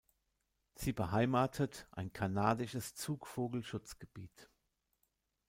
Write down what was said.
Sie beheimatet ein kanadisches Zugvogel-Schutzgebiet.